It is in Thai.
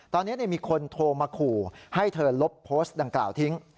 ตอนนี้มีคนโทรมาขู่ให้เธอลบโพสต์ดังกล่าวทิ้ง